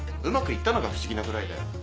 うまくいったのが不思議なぐらいだよ。